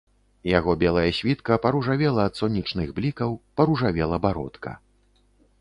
Яго белая світка паружавела ад сонечных блікаў, паружавела бародка.